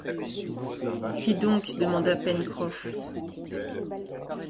Qui donc demanda Pencroff